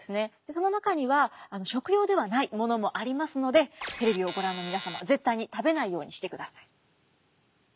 その中には食用ではないものもありますのでテレビをご覧の皆様絶対に食べないようにしてください。